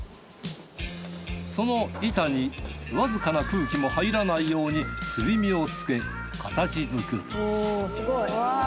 その板にわずかな空気も入らないようにすり身をつけ形づくる。